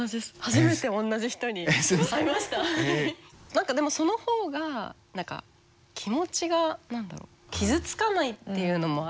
何かでもその方が何か気持ちが何だろう傷つかないっていうのもあるのかな。